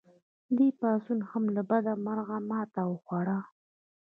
دې پاڅون هم له بده مرغه ماته وخوړه.